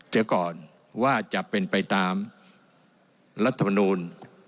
เจอก่อนว่าจะเป็นไปตามรัฐพณูน๒๗๒